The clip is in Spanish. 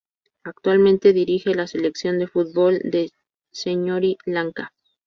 Actualmente dirige a la Selección de fútbol de Sri Lanka.